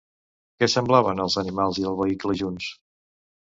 Què semblaven els animals i el vehicle junts?